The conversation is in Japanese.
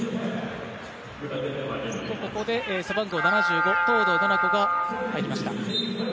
ここで背番号７５東藤なな子が入りました。